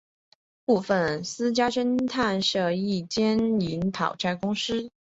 部份私家侦探社亦兼营讨债公司。